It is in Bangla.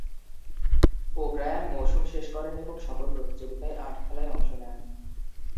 ও'ব্রায়ান মৌসুম শেষ করেন এবং সকল প্রতিযোগিতায় আট খেলায় অংশ নেন।